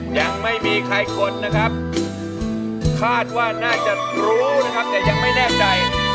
ยังไม่มีใครคนนะครับคาดว่าน่าจะรู้นะครับแต่ยังไม่แน่ใจ